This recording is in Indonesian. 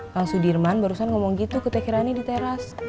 kang sudirman barusan ngomong gitu ke teh kirani di teras